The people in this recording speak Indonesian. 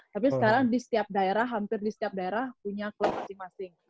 tapi sekarang di setiap daerah hampir di setiap daerah punya klub masing masing